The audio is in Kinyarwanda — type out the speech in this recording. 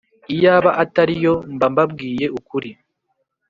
Iyaba atariyo mbambabwiye nukuri